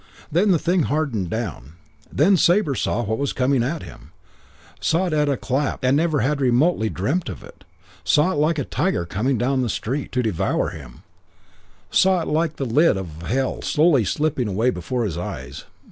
Then the thing hardened down. Then Sabre saw what was coming at him saw it at a clap and never had remotely dreamt of it; saw it like a tiger coming down the street to devour him; saw it like the lid of hell slowly slipping away before his eyes.